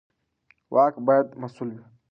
واک باید مسوول وي